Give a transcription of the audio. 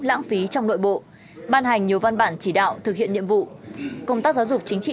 lãng phí trong nội bộ ban hành nhiều văn bản chỉ đạo thực hiện nhiệm vụ công tác giáo dục chính trị